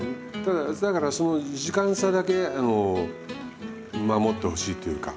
だからその時間差だけ守ってほしいというか。